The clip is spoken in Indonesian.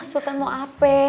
sultan mau apa